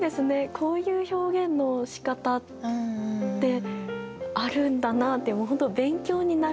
こういう表現のしかたってあるんだなってもう本当勉強になる。